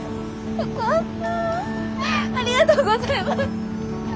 よかった！